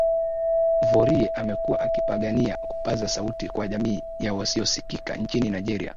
Ovuorie amekuwa akipigania kupaza sauti kwa jamii ya wasiosikika nchini Nigeria